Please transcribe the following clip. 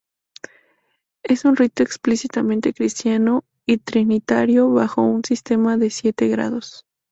Es un rito explícitamente cristiano y trinitario bajo un sistema de siete grados.